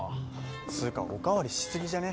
つうかおかわりしすぎじゃね？